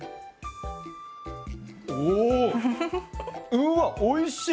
うわおいしい！